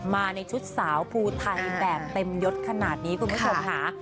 มาในชุดสาวภูไทยแบบเต็มยดขนาดนี้คุณผู้ชมค่ะ